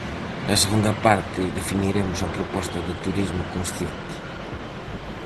Na segunda parte, definiremos a proposta de Turismo Consciente.